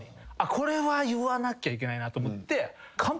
これは言わなきゃいけないなと思って。